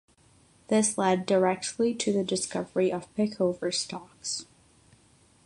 This led directly to the discovery of Pickover stalks.